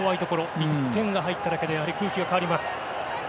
１点が入っただけで空気が変わります。